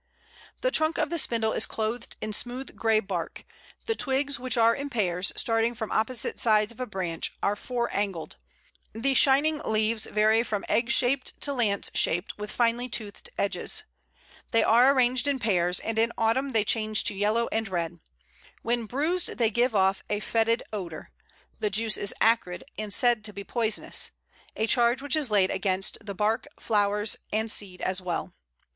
The trunk of the Spindle is clothed in smooth grey bark. The twigs, which are in pairs, starting from opposite sides of a branch, are four angled. The shining leaves vary from egg shaped to lance shaped, with finely toothed edges. They are arranged in pairs, and in autumn they change to yellow and red. When bruised they give off a f[oe]tid odour, the juice is acrid, and said to be poisonous a charge which is laid against the bark, flowers, and seed as well.